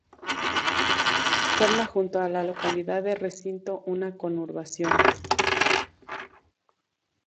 Forma junto a la localidad de Recinto una conurbación.